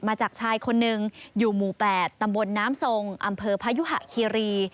มาจากชายคนหนึ่งอยู่หมู่๘ตำบลน้ำทรงอำเภอพยุหะคีรี